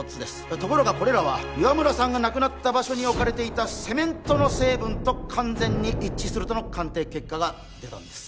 ところがこれらは岩村さんが亡くなった場所に置かれていたセメントの成分と完全に一致するとの鑑定結果が出たんです